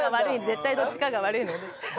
絶対どっちかが悪いので。